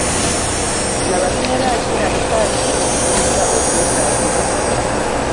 Laba bimera ki na bika ki ebisinga okwetaagibwa.